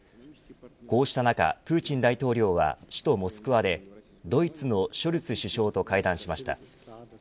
こうした中プーチン大統領は首都モスクワでドイツのショルツ首相と会談しました。